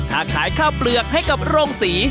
ถ้าขายข้าวเปลือกให้กับโรงศรี